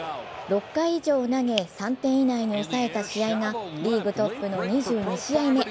６回以上を投げ３点以内に抑えた試合がリーグトップの２２試合目。